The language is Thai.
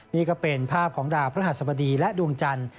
นี่ก็เป็นภาพของดาวพระหัสบดีและดวงจันทร์